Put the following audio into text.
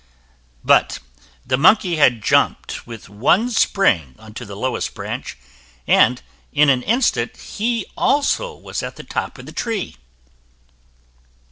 But the monkey had jumped with one spring onto the lowest branch, and in an instant he also was at the top of the tree.